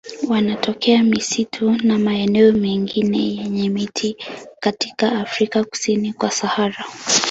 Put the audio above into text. Wanatokea misitu na maeneo mengine yenye miti katika Afrika kusini kwa Sahara.